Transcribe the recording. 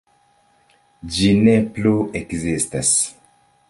Ĝi ne plu ekzistas.